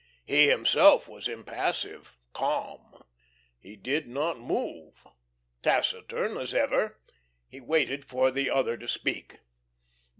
He himself was impassive, calm. He did not move. Taciturn as ever, he waited for the other to speak.